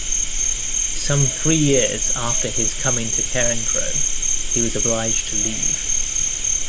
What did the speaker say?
Some three years after his coming to Carencro, he was obliged to leave.